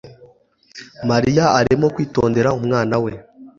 Mariya arimo kwitondera umwana we